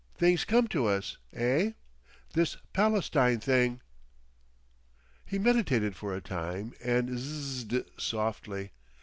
Things come to us. Eh? This Palestine thing."... He meditated for a time and Zzzzed softly.